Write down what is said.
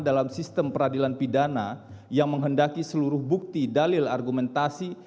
dalam sistem peradilan pidana yang menghendaki seluruh bukti dalil argumentasi